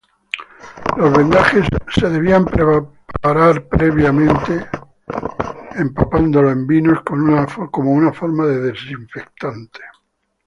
Los vendajes debían ser previamente empapados en vino como una forma de desinfectante.